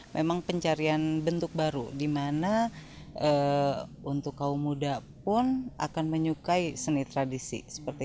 memang pencarian bentuk baru dimana untuk kaum muda pun akan menyukai seni tradisi